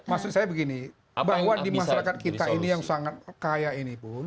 maksud saya begini bahwa di masyarakat kita ini yang sangat kaya ini pun